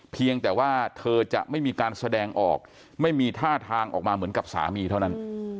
เพียงแต่ว่าเธอจะไม่มีการแสดงออกไม่มีท่าทางออกมาเหมือนกับสามีเท่านั้น